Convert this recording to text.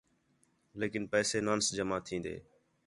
لیکن پیسے نانس جمع تِھین٘دے